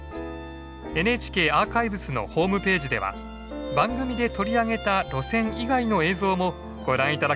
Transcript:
ＮＨＫアーカイブスのホームページでは番組で取り上げた路線以外の映像もご覧頂けます。